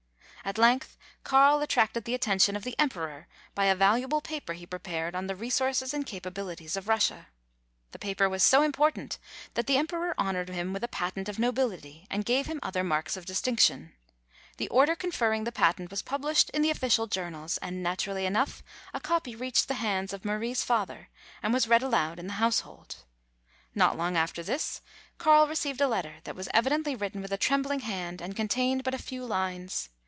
At length Carl attracted the atten tion of the emperor by a valuable paper he pre pared on the resources and capabilities of Russia. The paper was so important that the emperor honored him with a patent of nobility, and gave him other marks of distinction. The order con ferring the patent was published in the official journals, and naturally enough a copy reached the hands of Marie's father, and was read aloud in A RUSSIAN ELOPEMENT. 257 the household. Not long after this Carl received a letter that was evidently written with a trembling hand, and contained but a few lines.